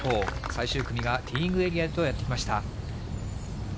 最終組がティーイングエリアへとやって来ました。